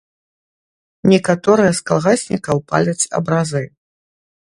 Некаторыя з калгаснікаў паляць абразы.